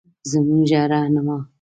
زمونره رهنما